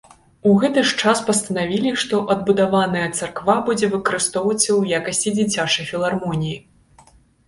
У гэты ж час пастанавілі, што адбудаваная царква будзе выкарыстоўвацца ў якасці дзіцячай філармоніі.